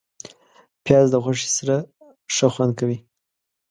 پیاز د غوښې سره ښه خوند کوي